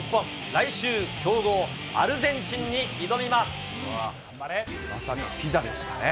来週、強豪、アルゼンチンに挑みまさかピザでしたね。